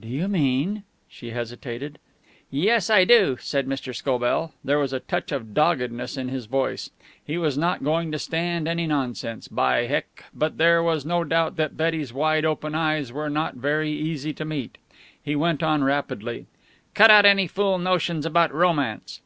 "Do you mean ?" she hesitated. "Yes, I do," said Mr. Scobell. There was a touch of doggedness in his voice. He was not going to stand any nonsense, by Heck, but there was no doubt that Betty's wide open eyes were not very easy to meet. He went on rapidly. "Cut out any fool notions about romance."